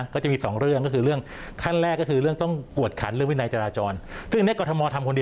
ก็คือว่าความเร็วกันกำหนด